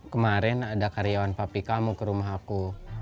kemarin ada karyawan papi kamu ke rumah aku